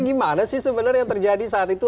gimana sih sebenarnya yang terjadi saat itu